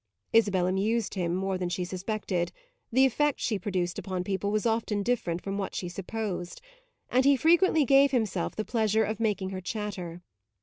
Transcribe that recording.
Isabel amused him more than she suspected the effect she produced upon people was often different from what she supposed and he frequently gave himself the pleasure of making her chatter.